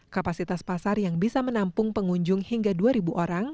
kapasitas pasar yang bisa menampung pengunjung hingga dua orang